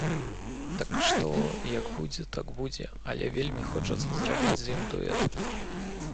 Так што, як будзе, так будзе, але вельмі хочацца зрабіць з ім дуэт.